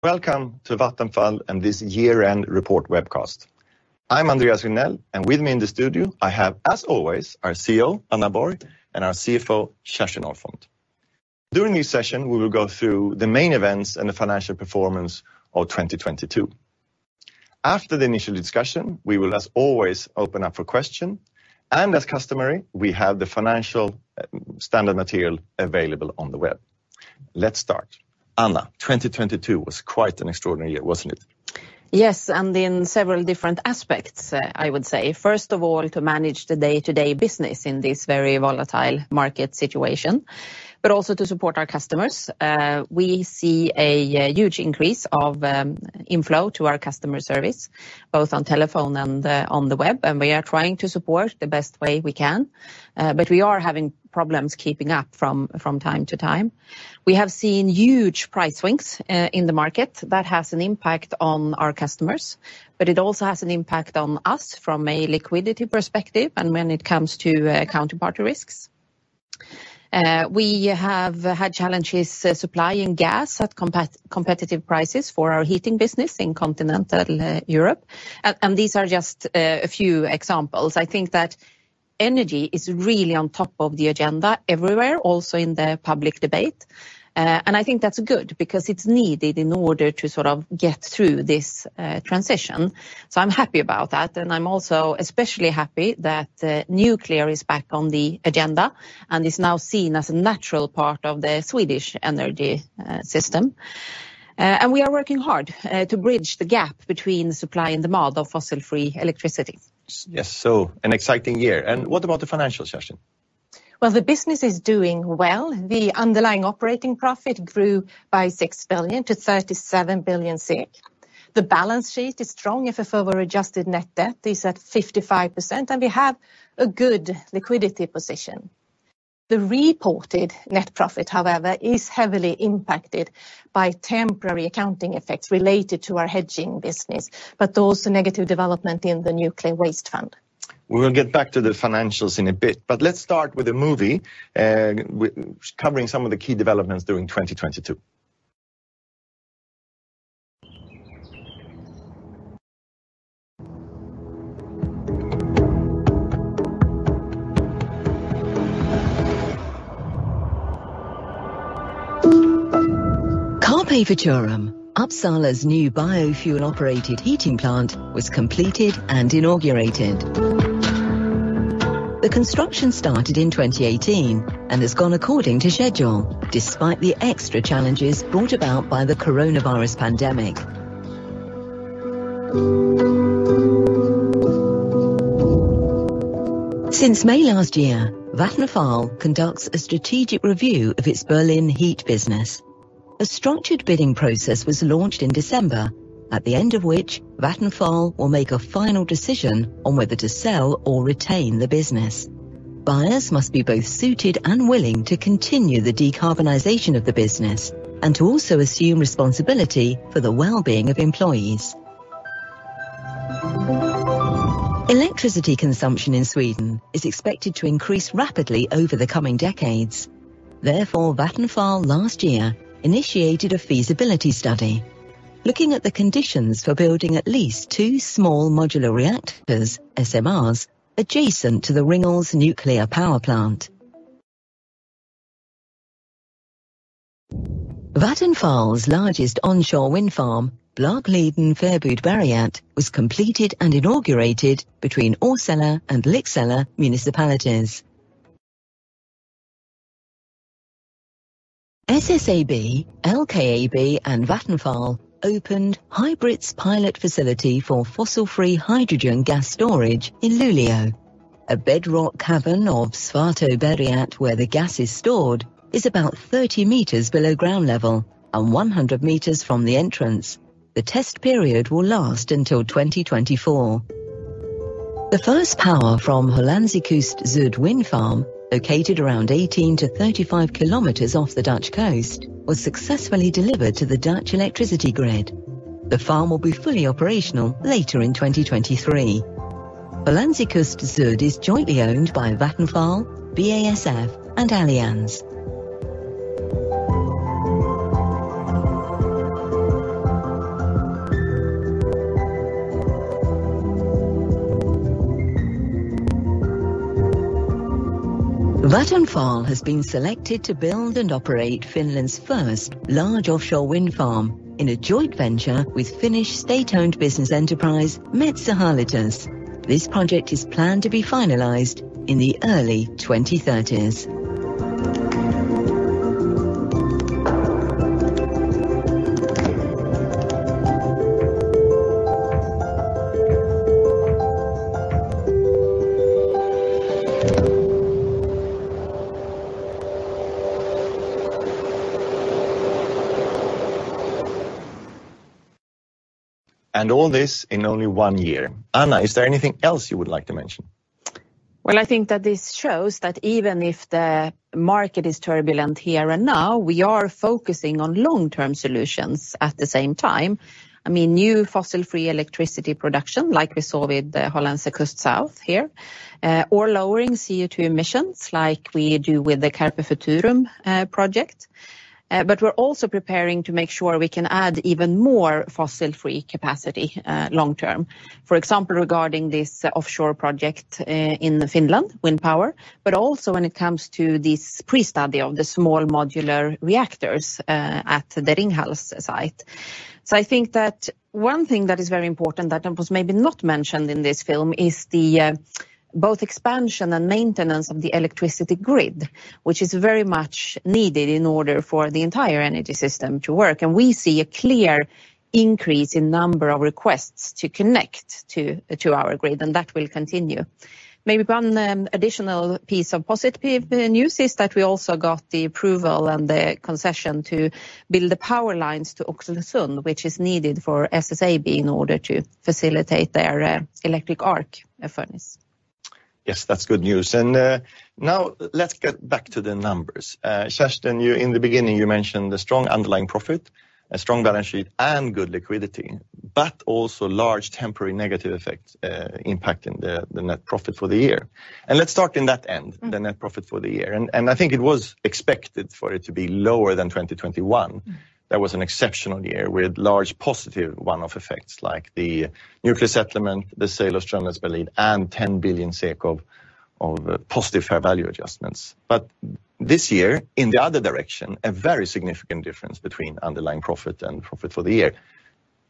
Welcome to Vattenfall and this year-end report webcast. I'm Andreas Regnell, and with me in the studio I have, as always, our CEO, Anna Borg, and our CFO, Kerstin Ahlfont. During this session, we will go through the main events and the financial performance of 2022. After the initial discussion, we will, as always, open up for question, and as customary, we have the financial standard material available on the web. Let's start. Anna, 2022 was quite an extraordinary year, wasn't it? Yes, in several different aspects, I would say. First of all, to manage the day-to-day business in this very volatile market situation, but also to support our customers. We see a huge increase of inflow to our customer service, both on telephone and on the web. We are trying to support the best way we can, but we are having problems keeping up from time to time. We have seen huge price swings in the market. That has an impact on our customers, but it also has an impact on us from a liquidity perspective and when it comes to counterparty risks. We have had challenges supplying gas at competitive prices for our heating business in continental Europe. These are just a few examples. I think that energy is really on top of the agenda everywhere, also in the public debate, and I think that's good because it's needed in order to sort of get through this transition. I'm happy about that, and I'm also especially happy that nuclear is back on the agenda and is now seen as a natural part of the Swedish energy system. We are working hard to bridge the gap between supply and demand of fossil-free electricity. Yes, an exciting year. What about the financials, Kerstin? The business is doing well. The underlying operating profit grew by 6 billion to 37 billion SEK. The balance sheet is strong if a further adjusted net debt is at 55%, and we have a good liquidity position. The reported net profit, however, is heavily impacted by temporary accounting effects related to our hedging business, but also negative development in the nuclear waste fund. We will get back to the financials in a bit, but let's start with a movie, covering some of the key developments during 2022. Carpe Futurum, Uppsala's new biofuel-operated heating plant was completed and inaugurated. The construction started in 2018 and has gone according to schedule, despite the extra challenges brought about by the coronavirus pandemic. Since May last year, Vattenfall conducts a strategic review of its Berlin heat business. A structured bidding process was launched in December, at the end of which Vattenfall will make a final decision on whether to sell or retain the business. Buyers must be both suited and willing to continue the decarbonization of the business and to also assume responsibility for the well-being of employees. Electricity consumption in Sweden is expected to increase rapidly over the coming decades. Therefore, Vattenfall last year initiated a feasibility study looking at the conditions for building at least two small modular reactors, SMRs, adjacent to the Ringhals Nuclear Power Plant. Vattenfall's largest onshore wind farm, Blakliden Fäbodberget, was completed and inaugurated between Åsele and Lycksele municipalities. SSAB, LKAB, and Vattenfall opened HYBRIT pilot facility for fossil-free hydrogen gas storage in Luleå. A bedrock cavern of Svartöberget where the gas is stored is about 30 meters below ground level and 100 meters from the entrance. The test period will last until 2024. The first power from Hollandse Kust Zuid wind farm, located around 18-35 kilometers off the Dutch coast, was successfully delivered to the Dutch electricity grid. The farm will be fully operational later in 2023. Hollandse Kust Zuid is jointly owned by Vattenfall, BASF, and Allianz. Vattenfall has been selected to build and operate Finland's first large offshore wind farm in a joint venture with Finnish state-owned business enterprise Metsähallitus. This project is planned to be finalized in the early 2030s. All this in only one year. Anna, is there anything else you would like to mention? Well, I think that this shows that even if the market is turbulent here and now, we are focusing on long-term solutions at the same time. I mean, new fossil-free electricity production, like we saw with the Hollandse Kust Zuid here, or lowering CO2 emissions, like we do with the Carpe Futurum project. We're also preparing to make sure we can add even more fossil-free capacity long term. For example, regarding this offshore project in Finland, wind power, but also when it comes to this pre-study of the small modular reactors at the Ringhals site. I think that one thing that is very important that was maybe not mentioned in this film is the both expansion and maintenance of the electricity grid, which is very much needed in order for the entire energy system to work. We see a clear increase in number of requests to connect to our grid, and that will continue. Maybe one additional piece of positive news is that we also got the approval and the concession to build the power lines to Oxelösund, which is needed for SSAB in order to facilitate their electric arc furnace. Yes, that's good news. Now let's get back to the numbers. Kerstin, in the beginning, you mentioned the strong underlying profit, a strong balance sheet, and good liquidity, but also large temporary negative effects, impacting the net profit for the year. Let's start in that end. Mm... the net profit for the year. I think it was expected for it to be lower than 2021. That was an exceptional year with large positive one-off effects like the nuclear settlement, the sale of Stromnetz Berlin, and 10 billion SEK of positive fair value adjustments. This year, in the other direction, a very significant difference between underlying profit and profit for the year.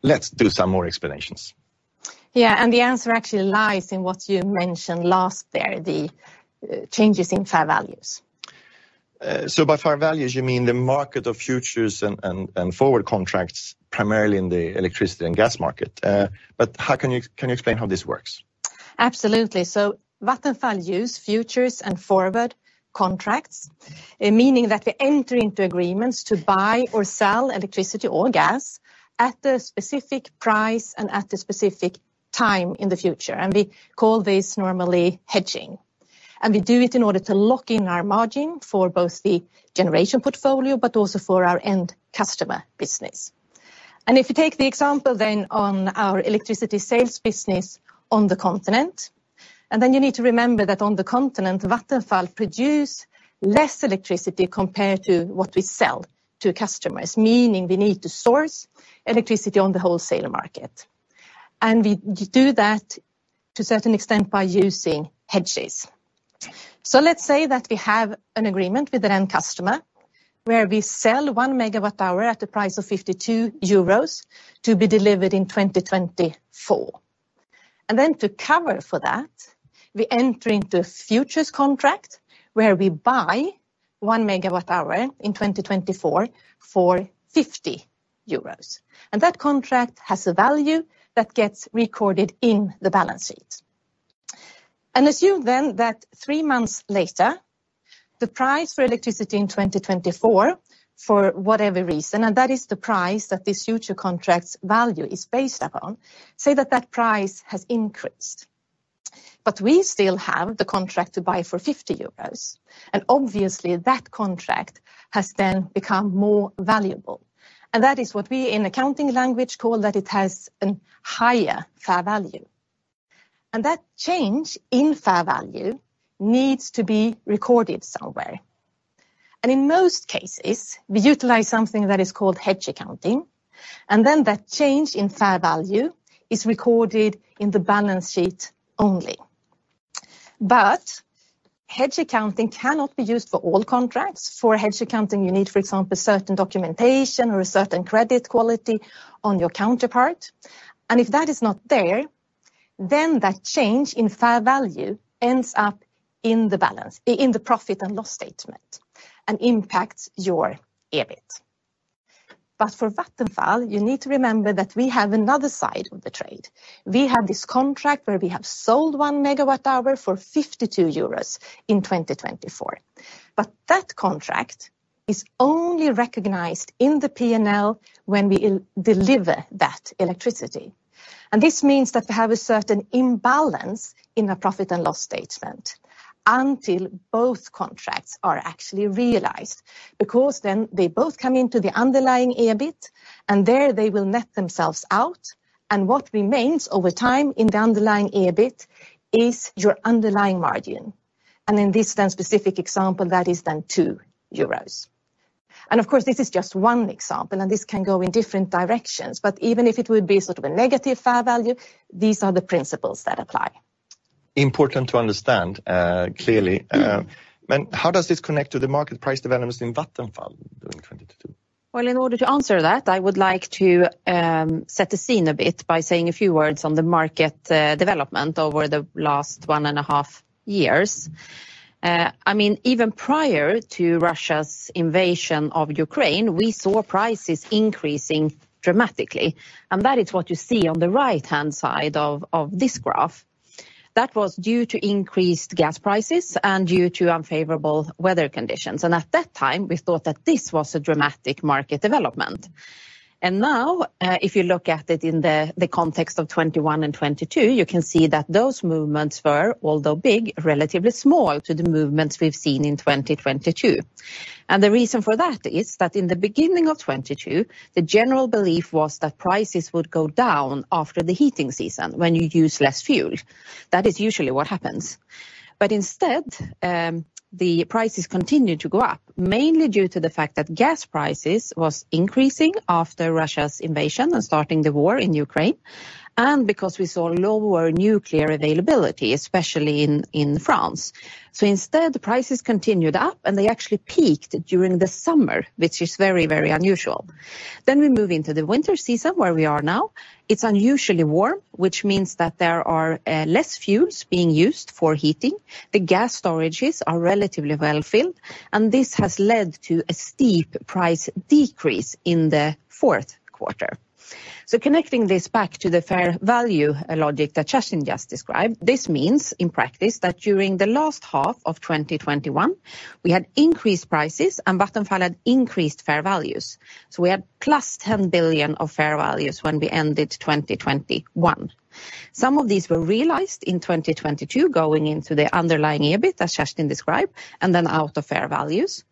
Let's do some more explanations. Yeah. The answer actually lies in what you mentioned last there, the changes in fair values. By fair values, you mean the market of futures and forward contracts primarily in the electricity and gas market. How can you explain how this works? Absolutely. Vattenfall use futures and forward contracts, meaning that we enter into agreements to buy or sell electricity or gas at a specific price and at a specific time in the future, we call this normally hedging. We do it in order to lock in our margin for both the generation portfolio but also for our end customer business. If you take the example on our electricity sales business on the continent, you need to remember that on the continent, Vattenfall produce less electricity compared to what we sell to customers, meaning we need to source electricity on the wholesaler market. We do that to a certain extent by using hedges. Let's say that we have an agreement with an end customer where we sell 1 megawatt-hour at the price of 52 euros to be delivered in 2024. Then to cover for that, we enter into a futures contract where we buy one megawatt-hour in 2024 for 50 euros. That contract has a value that gets recorded in the balance sheet. Assume then that three months later, the price for electricity in 2024, for whatever reason, and that is the price that this future contract's value is based upon, say that that price has increased. We still have the contract to buy for 50 euros, and obviously that contract has then become more valuable. That is what we in accounting language call that it has a higher fair value. That change in fair value needs to be recorded somewhere. In most cases, we utilize something that is called hedge accounting, and then that change in fair value is recorded in the balance sheet only. Hedge accounting cannot be used for all contracts. For hedge accounting, you need, for example, certain documentation or a certain credit quality on your counterpart. If that is not there, then that change in fair value ends up in the profit and loss statement and impacts your EBIT. For Vattenfall, you need to remember that we have another side of the trade. We have this contract where we have sold 1 megawatt-hour for 52 euros in 2024. That contract is only recognized in the P&L when we deliver that electricity. This means that we have a certain imbalance in the profit and loss statement until both contracts are actually realized, because then they both come into the underlying EBIT, and there they will net themselves out. What remains over time in the underlying EBIT is your underlying margin. In this then specific example, that is then 2 euros. Of course, this is just one example, and this can go in different directions. Even if it would be sort of a negative fair value, these are the principles that apply. Important to understand, clearly. How does this connect to the market price developments in Vattenfall during 2022? Well, in order to answer that, I would like to set the scene a bit by saying a few words on the market development over the last one and a half years. I mean, even prior to Russia's invasion of Ukraine, we saw prices increasing dramatically, and that is what you see on the right-hand side of this graph. That was due to increased gas prices and due to unfavorable weather conditions. At that time, we thought that this was a dramatic market development. Now, if you look at it in the context of 2021 and 2022, you can see that those movements were, although big, relatively small to the movements we've seen in 2022. The reason for that is that in the beginning of 2022, the general belief was that prices would go down after the heating season when you use less fuel. That is usually what happens. instead. The prices continued to go up, mainly due to the fact that gas prices was increasing after Russia's invasion and starting the war in Ukraine, and because we saw lower nuclear availability, especially in France. Instead, the prices continued up, and they actually peaked during the summer, which is very, very unusual. We move into the winter season, where we are now. It's unusually warm, which means that there are less fuels being used for heating. The gas storages are relatively well filled, and this has led to a steep price decrease in the fourth quarter. Connecting this back to the fair value logic that Kerstin just described, this means in practice that during the last half of 2021, we had increased prices and Vattenfall had increased fair values. We had +10 billion of fair values when we ended 2021. Some of these were realized in 2022 going into the underlying EBIT, as Kerstin described, and then out of fair values.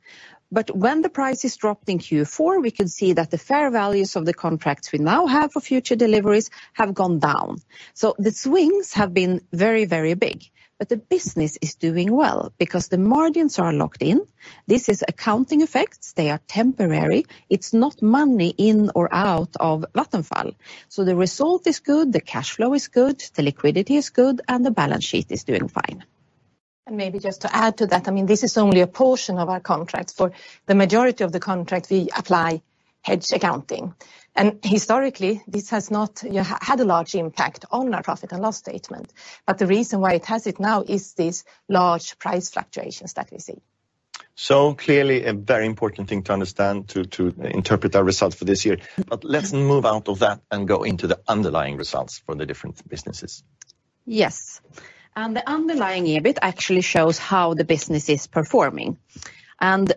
When the prices dropped in Q4, we could see that the fair values of the contracts we now have for future deliveries have gone down. The swings have been very, very big, but the business is doing well because the margins are locked in. This is accounting effects. They are temporary. It's not money in or out of Vattenfall. The result is good, the cash flow is good, the liquidity is good, and the balance sheet is doing fine. Maybe just to add to that, I mean, this is only a portion of our contracts. For the majority of the contracts, we apply hedge accounting. Historically, this has not, you know, had a large impact on our profit and loss statement. The reason why it has it now is these large price fluctuations that we see. Clearly a very important thing to understand, to interpret our results for this year. Let's move out of that and go into the underlying results for the different businesses. Yes. The underlying EBIT actually shows how the business is performing.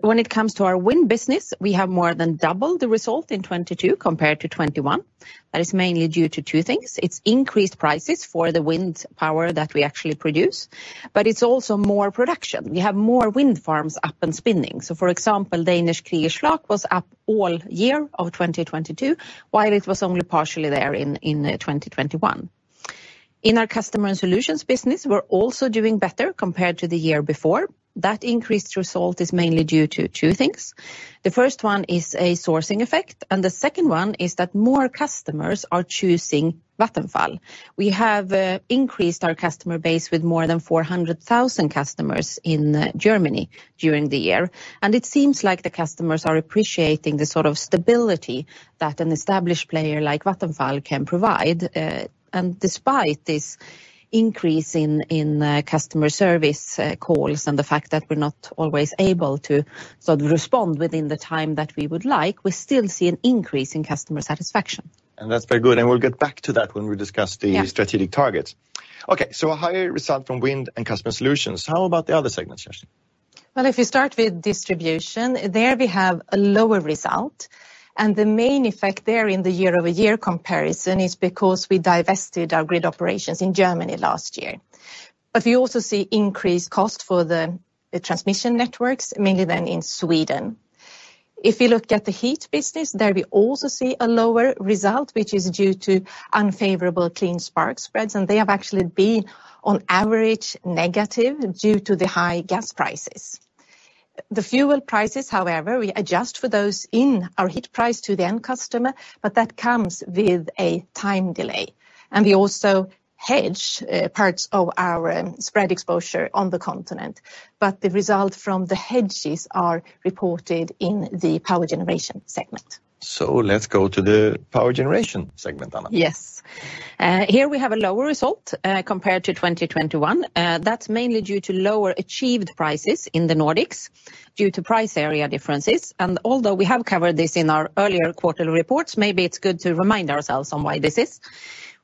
When it comes to our wind business, we have more than doubled the result in 2022 compared to 2021. That is mainly due to two things. It's increased prices for the wind power that we actually produce, but it's also more production. We have more wind farms up and spinning. For example, Danish Kriegers Flak was up all year of 2022, while it was only partially there in 2021. In our Customer and Solutions business, we're also doing better compared to the year before. That increased result is mainly due to two things. The first one is a sourcing effect, and the second one is that more customers are choosing Vattenfall. We have increased our customer base with more than 400,000 customers in Germany during the year. It seems like the customers are appreciating the sort of stability that an established player like Vattenfall can provide. Despite this increase in customer service calls and the fact that we're not always able to sort of respond within the time that we would like, we still see an increase in customer satisfaction. That's very good, and we'll get back to that when we discuss. Yeah... strategic targets. Okay, a higher result from wind and Customer Solutions. How about the other segments, Kerstin? If you start with distribution, there we have a lower result, and the main effect there in the year-over-year comparison is because we divested our grid operations in Germany last year. We also see increased cost for the transmission networks, mainly then in Sweden. If you look at the heat business, there we also see a lower result, which is due to unfavorable clean spark spreads, and they have actually been on average negative due to the high gas prices. The fuel prices, however, we adjust for those in our heat price to the end customer, but that comes with a time delay. We also hedge parts of our spread exposure on the continent. The result from the hedges are reported in the power generation segment. Let's go to the power generation segment, Anna. Yes. Here we have a lower result compared to 2021. That's mainly due to lower achieved prices in the Nordics due to price area differences. Although we have covered this in our earlier quarterly reports, maybe it's good to remind ourselves on why this is.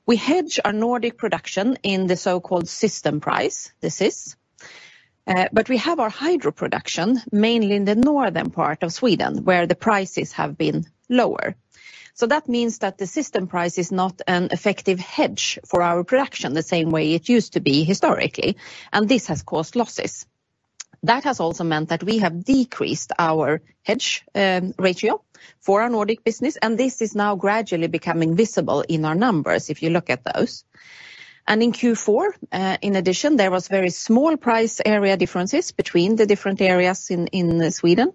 We hedge our Nordic production in the so-called system price. This is. We have our hydro production mainly in the northern part of Sweden, where the prices have been lower. That means that the system price is not an effective hedge for our production the same way it used to be historically, and this has caused losses. That has also meant that we have decreased our hedge ratio for our Nordic business, and this is now gradually becoming visible in our numbers if you look at those. In Q4, in addition, there was very small price area differences between the different areas in Sweden,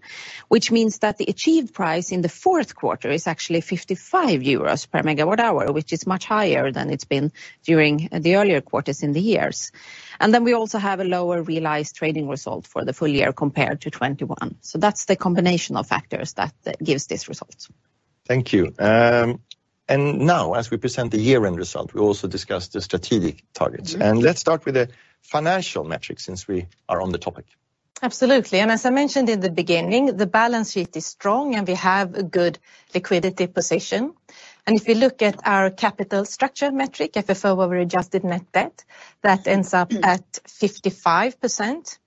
which means that the achieved price in the fourth quarter is actually 55 euros per megawatt hour, which is much higher than it's been during the earlier quarters in the years. Then we also have a lower realized trading result for the full year compared to 2021. That's the combination of factors that gives this result. Thank you. Now as we present the year-end result, we also discuss the strategic targets. Mm-hmm. Let's start with the financial metrics since we are on the topic. Absolutely. As I mentioned in the beginning, the balance sheet is strong, and we have a good liquidity position. If you look at our capital structure metric, FFO over adjusted net debt, that ends up at 55%.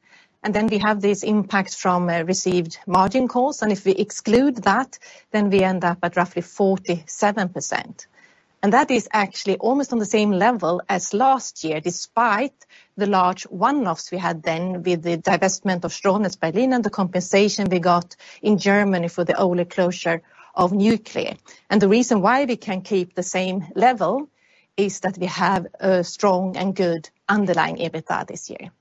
Then we have this impact from received margin calls, and if we exclude that, then we end up at roughly 47%. That is actually almost on the same level as last year, despite the large one-offs we had then with the divestment of Stromnetz Berlin and the compensation we got in Germany for the early closure of nuclear. The reason why we can keep the same level is that we have a strong and good underlying EBITDA this year.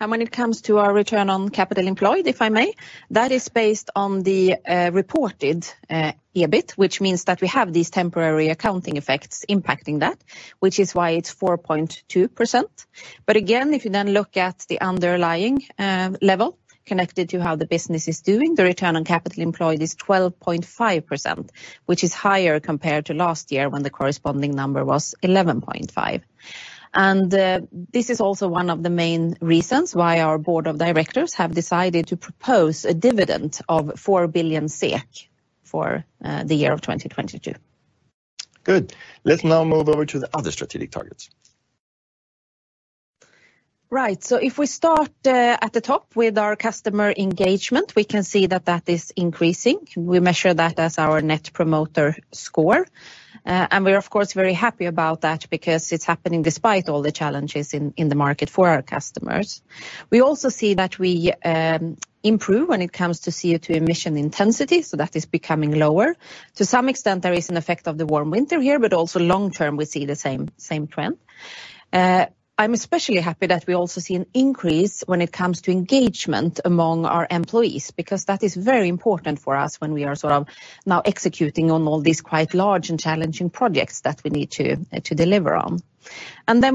When it comes to our return on capital employed, if I may, that is based on the reported EBIT, which means that we have these temporary accounting effects impacting that, which is why it's 4.2%. Again, if you then look at the underlying level connected to how the business is doing, the return on capital employed is 12.5%, which is higher compared to last year when the corresponding number was 11.5%. This is also one of the main reasons why our board of directors have decided to propose a dividend of 4 billion SEK for the year of 2022. Good. Let's now move over to the other strategic targets. Right. If we start at the top with our customer engagement, we can see that is increasing. We measure that as our Net Promoter Score. We're of course very happy about that because it's happening despite all the challenges in the market for our customers. We also see that we improve when it comes to CO2 emission intensity, that is becoming lower. To some extent, there is an effect of the warm winter here, also long term, we see the same trend. I'm especially happy that we also see an increase when it comes to engagement among our employees, because that is very important for us when we are sort of now executing on all these quite large and challenging projects that we need to deliver on.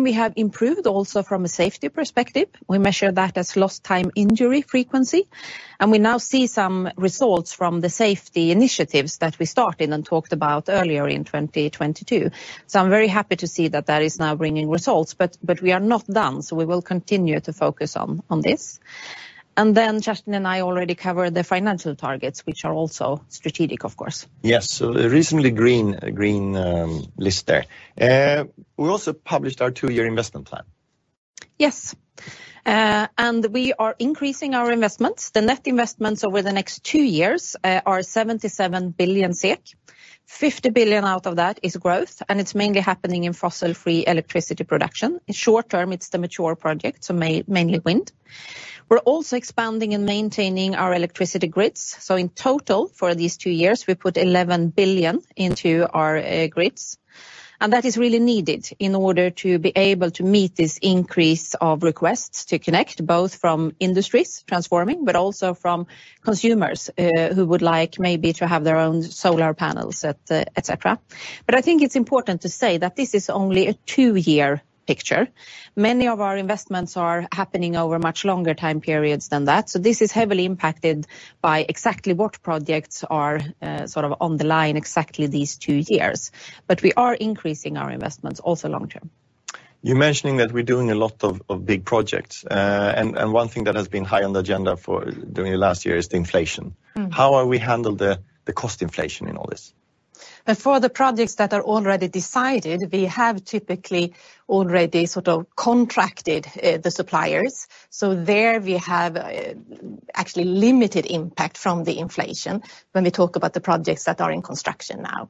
We have improved also from a safety perspective. We measure that as lost time injury frequency. We now see some results from the safety initiatives that we started and talked about earlier in 2022. I'm very happy to see that that is now bringing results, but we are not done. We will continue to focus on this. Kerstin and I already covered the financial targets, which are also strategic, of course. Yes. A reasonably green list there. We also published our two-year investment plan. Yes. We are increasing our investments. The net investments over the next two years are 77 billion SEK. 50 billion SEK out of that is growth, and it's mainly happening in fossil-free electricity production. In short term, it's the mature project, so mainly wind. We're also expanding and maintaining our electricity grids. In total for these two years, we put 11 billion SEK into our grids, and that is really needed in order to be able to meet this increase of requests to connect, both from industries transforming, but also from consumers, who would like maybe to have their own solar panels, et cetera. I think it's important to say that this is only a two-year picture. Many of our investments are happening over much longer time periods than that, this is heavily impacted by exactly what projects are, sort of on the line exactly these two years. We are increasing our investments also long term. You're mentioning that we're doing a lot of big projects, and one thing that has been high on the agenda for during the last year is the inflation. Mm. How are we handle the cost inflation in all this? For the projects that are already decided, we have typically already sort of contracted the suppliers. There we have actually limited impact from the inflation when we talk about the projects that are in construction now.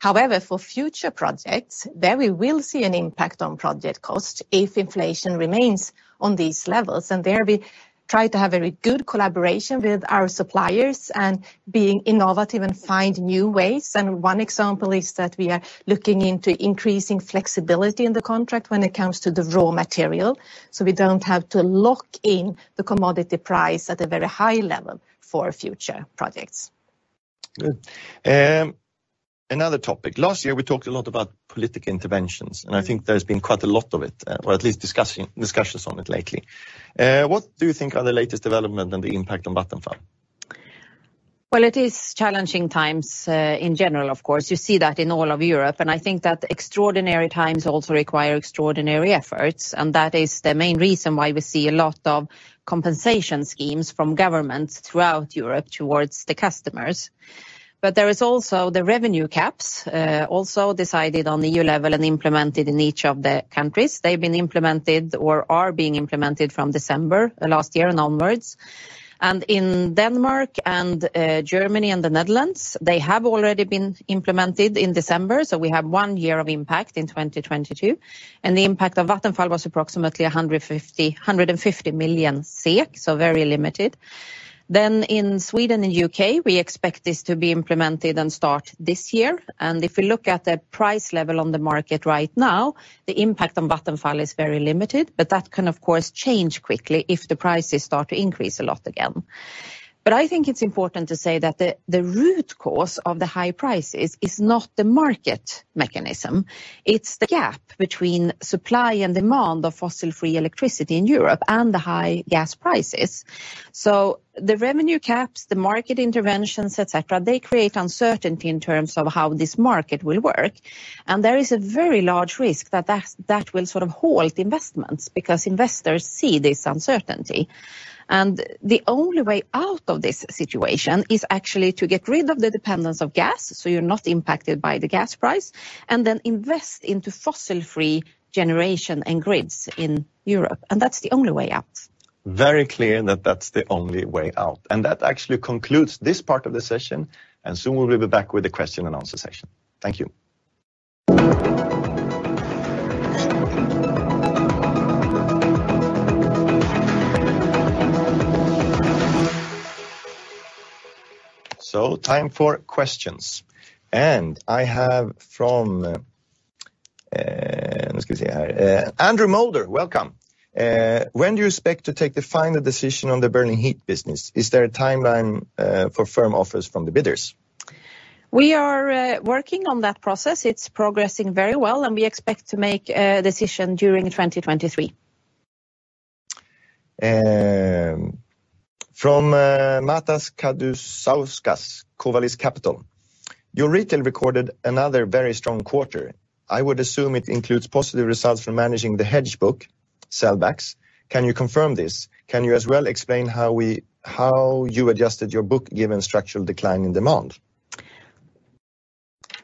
However, for future projects, there we will see an impact on project cost if inflation remains on these levels, and there we try to have very good collaboration with our suppliers and being innovative and find new ways. One example is that we are looking into increasing flexibility in the contract when it comes to the raw material, so we don't have to lock in the commodity price at a very high level for future projects. Good. Another topic. Last year, we talked a lot about political interventions. I think there's been quite a lot of it, or at least discussions on it lately. What do you think are the latest development and the impact on Vattenfall? It is challenging times, in general, of course. You see that in all of Europe, I think that extraordinary times also require extraordinary efforts, that is the main reason why we see a lot of compensation schemes from governments throughout Europe towards the customers. There is also the revenue caps, also decided on the EU level and implemented in each of the countries. They've been implemented or are being implemented from December last year and onwards. In Denmark, Germany and the Netherlands, they have already been implemented in December, so we have one year of impact in 2022, and the impact on Vattenfall was approximately 150 million SEK, so very limited. In Sweden and U.K., we expect this to be implemented and start this year. If you look at the price level on the market right now, the impact on Vattenfall is very limited, but that can of course change quickly if the prices start to increase a lot again. I think it's important to say that the root cause of the high prices is not the market mechanism. It's the gap between supply and demand of fossil-free electricity in Europe and the high gas prices. The revenue caps, the market interventions, et cetera, they create uncertainty in terms of how this market will work, and there is a very large risk that will sort of halt investments because investors see this uncertainty. The only way out of this situation is actually to get rid of the dependence of gas, so you're not impacted by the gas price, and then invest into fossil-free generation and grids in Europe, and that's the only way out. Very clear that that's the only way out. That actually concludes this part of the session, and soon we will be back with the question and answer session. Thank you. Time for questions. I have from, Andrew Moulder, welcome. When do you expect to take the final decision on the burning heat business? Is there a timeline, for firm offers from the bidders? We are working on that process. It's progressing very well, and we expect to make a decision during 2023. Matas Kadusauskas, Covalis Capital. Your retail recorded another very strong quarter. I would assume it includes positive results from managing the hedge book sellbacks. Can you confirm this? Can you as well explain how you adjusted your book, given structural decline in demand?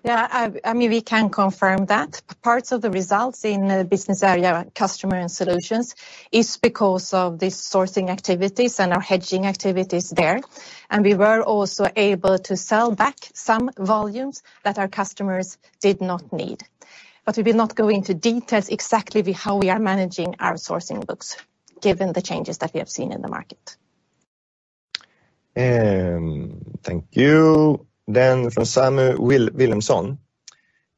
Yeah, I mean, we can confirm that. Parts of the results in the business area Customer and Solutions is because of the sourcing activities and our hedging activities there. We were also able to sell back some volumes that our customers did not need. We will not go into details exactly how we are managing our sourcing books, given the changes that we have seen in the market. Thank you. From Samu Williamson.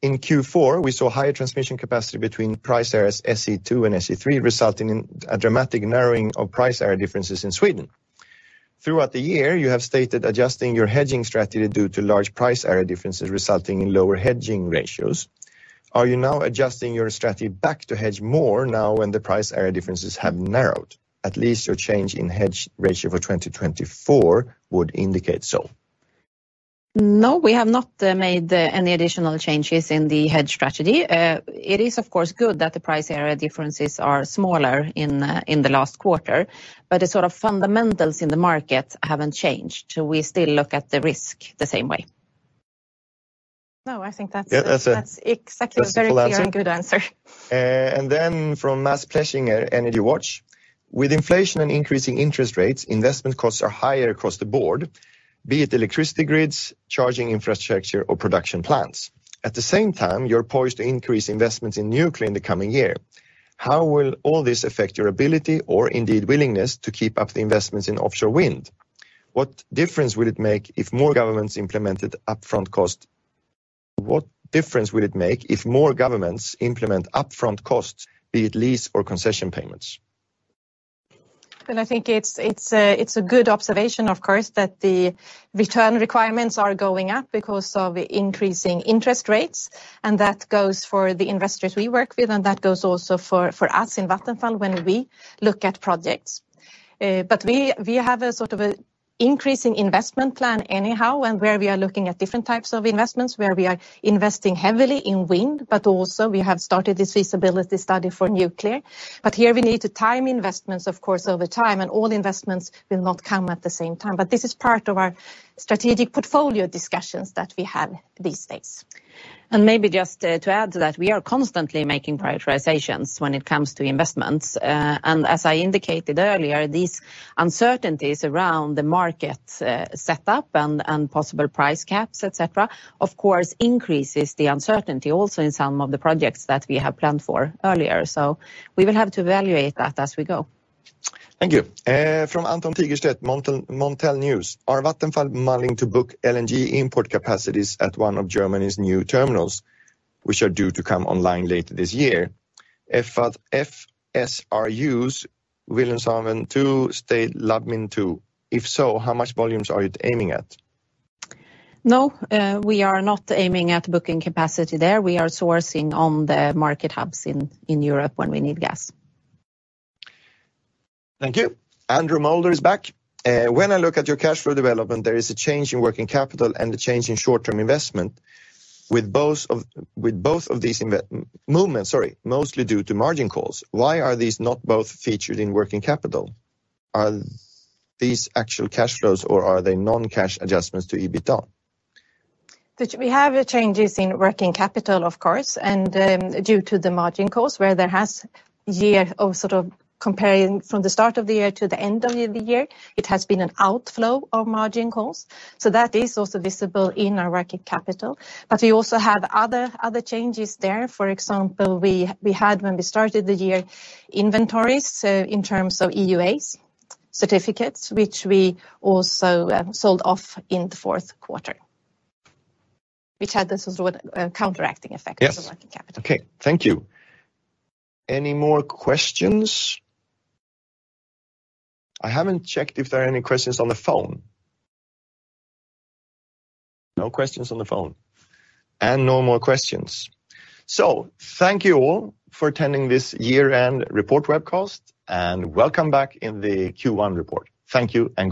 In Q4, we saw higher transmission capacity between price areas SE2 and SE3, resulting in a dramatic narrowing of price area differences in Sweden. Throughout the year, you have stated adjusting your hedging strategy due to large price area differences resulting in lower hedging ratios. Are you now adjusting your strategy back to hedge more now when the price area differences have narrowed? At least your change in hedge ratio for 2024 would indicate so. We have not made any additional changes in the hedge strategy. It is of course good that the price area differences are smaller in the last quarter. The sort of fundamentals in the market haven't changed. We still look at the risk the same way. No, I think. Yeah, that's it. That's. That's the last one. A very clear and good answer. Then from Mads Plesching, Energy Watch. With inflation and increasing interest rates, investment costs are higher across the board, be it electricity grids, charging infrastructure, or production plants. At the same time, you're poised to increase investments in nuclear in the coming year. How will all this affect your ability or indeed willingness to keep up the investments in offshore wind? What difference will it make if more governments implement upfront costs, be it lease or concession payments? Well, I think it's a good observation, of course, that the return requirements are going up because of increasing interest rates, and that goes for the investors we work with, and that goes also for us in Vattenfall when we look at projects. We have a sort of an increasing investment plan anyhow and where we are looking at different types of investments, where we are investing heavily in wind, but also we have started this feasibility study for nuclear. Here we need to time investments, of course, over time, and all investments will not come at the same time. This is part of our strategic portfolio discussions that we have these days. Maybe just to add to that, we are constantly making prioritizations when it comes to investments. As I indicated earlier, these uncertainties around the market setup and possible price caps, et cetera, of course, increases the uncertainty also in some of the projects that we have planned for earlier. We will have to evaluate that as we go. Thank you. From Anton Tigerstedt, Montel News. Are Vattenfall planning to book LNG import capacities at one of Germany's new terminals, which are due to come online later this year? If at FSRUs Wilhelmshaven 2 Stade Lubmin 2. If so, how much volumes are you aiming at? No, we are not aiming at booking capacity there. We are sourcing on the market hubs in Europe when we need gas. Thank you. Andrew Moulder is back. When I look at your cash flow development, there is a change in working capital and a change in short-term investment with both of these movements, sorry, mostly due to margin calls. Why are these not both featured in working capital? Are these actual cash flows, or are they non-cash adjustments to EBITDA? We have changes in working capital, of course, and due to the margin calls, where there has year of sort of comparing from the start of the year to the end of the year, it has been an outflow of margin calls. That is also visible in our working capital. We also have other changes there. For example, we had when we started the year, inventories in terms of EUAs certificates, which we also sold off in the fourth quarter, which had this, sort of, counteracting effect. Yes. Of the working capital. Okay. Thank you. Any more questions? I haven't checked if there are any questions on the phone. No questions on the phone and no more questions. Thank you all for attending this year-end report webcast. Welcome back in the Q1 report. Thank you and bye.